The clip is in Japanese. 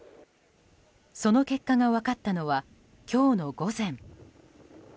その結果が分かったのは今日の午前。